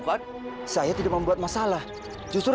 supaya dia tahu